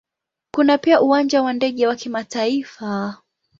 Kuna pia Uwanja wa ndege wa kimataifa.